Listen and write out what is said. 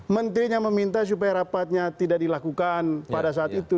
menterinya meminta supaya rapatnya tidak dilakukan pada saat itu